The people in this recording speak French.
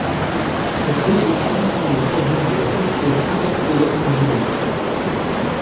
Cette réflexion semble provenir de la poussière interstellaire environnante.